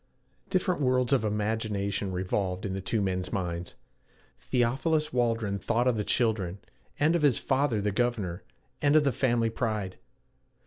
Different worlds of imagination revolved in the two men's minds. Theophilus Waldron thought of the children, and of his father the governor, and of the family pride.